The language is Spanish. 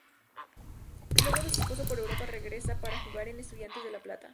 Luego de su paso por Europa regresa para jugar en Estudiantes de La Plata.